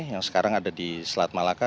yang sekarang ada di selat malaka